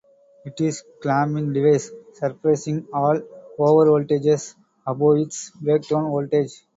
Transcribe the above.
It is a clamping device, suppressing all overvoltages above its breakdown voltage.